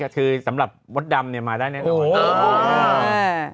คือสำหรับมดดำมาได้แน่นอน